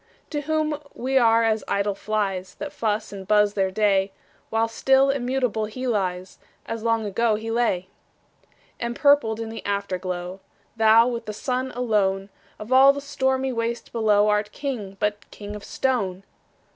To whom we are as idle flies, That fuss and buzz their day; While still immutable he lies, As long ago he lay. Empurpled in the Afterglow, Thou, with the Sun alone, Of all the stormy waste below, Art King, but king of stone!